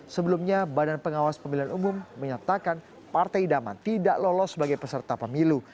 sebelumnya badan pengawas pemilihan umum menyatakan partai idaman tidak lolos sebagai peserta pemilu